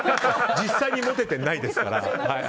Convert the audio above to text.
実際にモテてないですから。